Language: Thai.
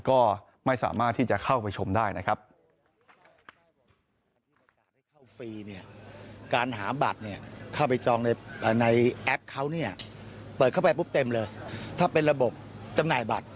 ก็ไม่สามารถที่จะเข้าไปชมได้นะครับ